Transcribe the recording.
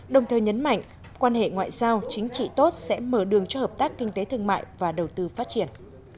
đồng thời nhấn mạnh quan hệ ngoại giao chính trị tốt sẽ mở đường cho hợp tác kinh tế thương mại và đầu tư phát triển